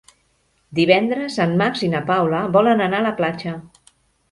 Divendres en Max i na Paula volen anar a la platja.